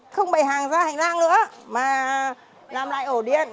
không bày hàng ra hành lang nữa mà làm lại ổ điện